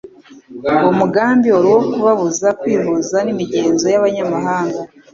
Uwo mugambi wari uwo kubabuza kwihuza n'imigenzo y'abanyamahanga.